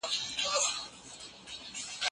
ډېر کسان د واکسین له پروسې خبر دي.